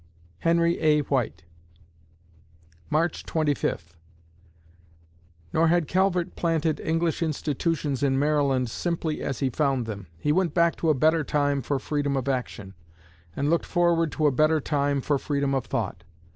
HENRY A. WHITE March Twenty Fifth Nor had Calvert planted English institutions in Maryland simply as he found them. He went back to a better time for freedom of action, and looked forward to a better time for freedom of thought.